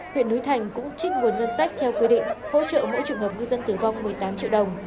huyện núi thành cũng trích nguồn ngân sách theo quy định hỗ trợ mỗi trường hợp ngư dân tử vong một mươi tám triệu đồng